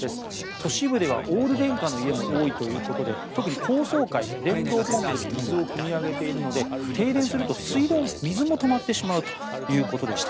都市部ではオール電化の家も多いということで特に高層階、電動ポンプで水をくみ上げているので停電すると水も止まってしまうということでした。